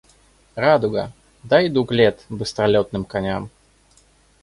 Радуга, дай дуг лет быстролётным коням.